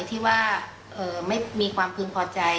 ที่ว่าไม่มีความพึงพอใจ